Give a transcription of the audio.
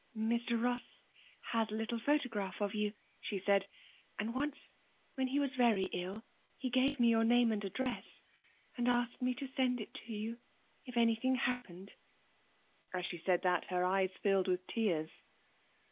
'Mr Ross has a little photograph of you,' she said, 'and once when he was very ill he gave me your name and address and asked me to send it to you if anything happened.' As she said that her eyes filled with tears.